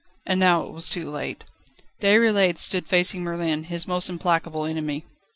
And now it was too late. Déroulède stood facing Merlin, his most implacable enemy.